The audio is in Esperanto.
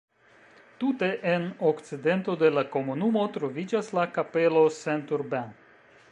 Tute en okcidento de la komunumo troviĝas la kapelo St-Urbain.